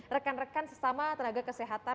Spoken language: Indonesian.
rekan rekan sesama tenaga kesehatan